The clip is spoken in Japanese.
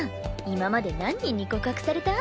今まで何人に告白された？